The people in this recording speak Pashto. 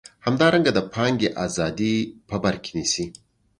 همدارنګه د پانګې ازادي په بر کې نیسي.